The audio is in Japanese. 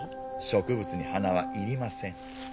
植物に鼻は要りません。